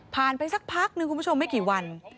ไปสักพักนึงคุณผู้ชมไม่กี่วัน